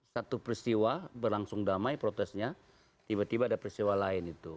satu peristiwa berlangsung damai protesnya tiba tiba ada peristiwa lain itu